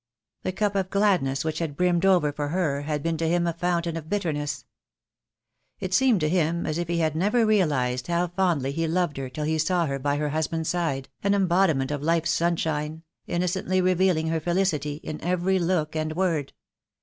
The cup of gladness which had brimmed over for her had been to him a fountain of bitterness. It seemed 84 THE DAY WILL COME. to him as if he had never realized how fondly he loved her till he saw her by her husband's side, an embodi ment of life's sunshine, innocently revealing her felicity in every look and word.